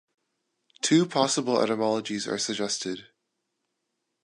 Two possible etymologies are suggested.